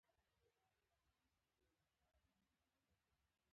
قلم د ادب دروازه ده